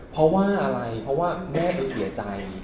เพราะว่าอะไรเพราะว่าแม่ไปเสียใจ